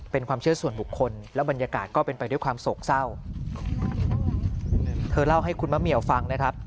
เป็นความเชื่อส่วนบุคคลแล้วบรรยากาศก็เป็นไปด้วยความโศกเศร้าเธอเล่าให้คุณมะเหี่ยวฟังนะครับ